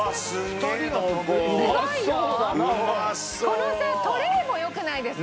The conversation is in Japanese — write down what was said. このさトレーもよくないですか？